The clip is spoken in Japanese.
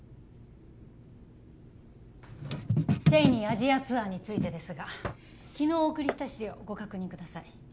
ＣＨＡＹＮＥＹアジアツアーについてですが昨日お送りした資料ご確認ください